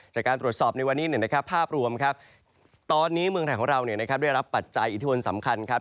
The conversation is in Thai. จากการตรวจสอบในวันนี้ภาพรวมครับตอนนี้เมืองไทยของเราได้รับปัจจัยอิทธิพลสำคัญครับ